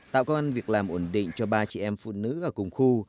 tạo công an việc làm ổn định cho ba chị em phụ nữ ở cùng khu